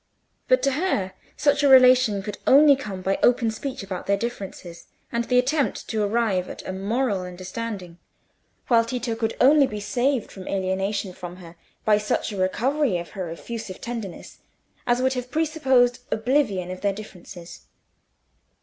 But to her such a relation could only come by open speech about their differences, and the attempt to arrive at a moral understanding; while Tito could only be saved from alienation from her by such a recovery of her effusive tenderness as would have presupposed oblivion of their differences.